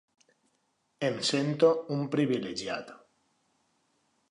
Em sento un privilegiat.